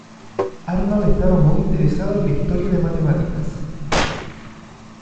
Arnold estaba muy interesado en la historia de matemáticas.